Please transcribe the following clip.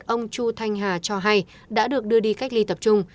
ông chu thanh hà cho hay đã được đưa đi cách ly tập trung